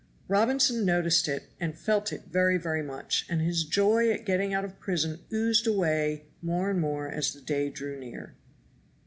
Robinson noticed it and felt it very, very much, and his joy at getting out of prison oozed away more and more as the day drew near.